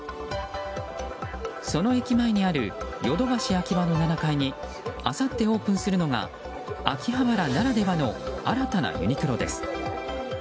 その駅前にあるヨドバシＡｋｉｂａの７階にあさってオープンするのが秋葉原ならではの新たなユニクロです。